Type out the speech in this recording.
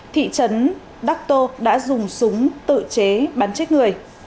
thị trấn đắc tô đã dùng súng tự chế bắn chết người